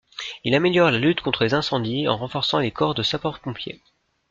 Il améliore la lutte contre les incendies en renforçant les corps de sapeurs-pompiers.